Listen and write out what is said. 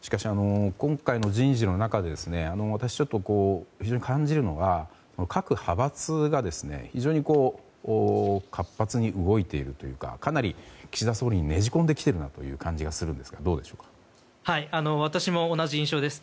しかし、今回の人事の中で私、非常に感じるのが各派閥が非常に活発に動いているというかかなり岸田総理にねじ込んできているなという感じがするんですが私も同じ印象です。